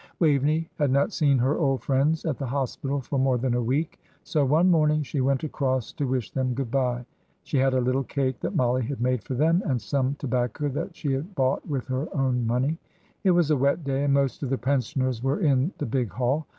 Waveney had not seen her old friends at the Hospital for more than a week, so one morning she went across to wish them good bye. She had a little cake that Mollie had made for them, and some tobacco that she had bought with her own money. It was a wet day, and most of the pensioners were in the big hall.